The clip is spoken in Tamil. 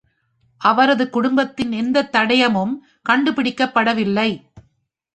அவரது குடும்பத்தின் எந்த தடயமும் கண்டுபிடிக்கப்படவில்லை.